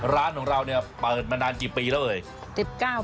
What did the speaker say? ร้านของเราเปิดมานานกี่ปีแล้ว